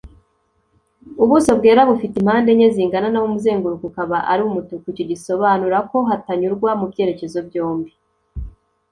Ubuso bwera bufite impande enye zingana naho umuzenguruko ukaba ari umutuku icyo gisobanura ko hatanyurwa mubyerekezo byombi.